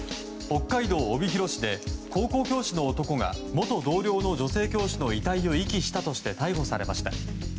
北海道帯広市で高校教師の男が元同僚の女性教師の遺体を遺棄したとして逮捕されました。